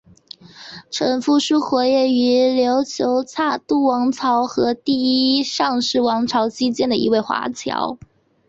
程复是活跃于琉球察度王朝和第一尚氏王朝期间的一位华侨。